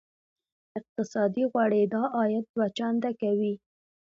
اقتصادي غوړېدا عاید دوه چنده کوي.